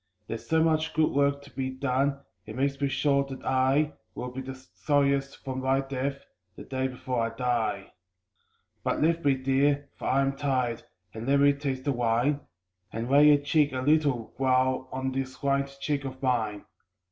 There's so much good work to be done it makes me sure that I Will be the sorriest for my death, the day before I die. But, lift me dear, for I am tired, and let me taste the wine And lay your cheek a little while on this lined cheek of mine.